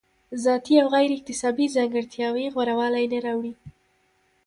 ذاتي او غیر اکتسابي ځانګړتیاوې غوره والی نه راوړي.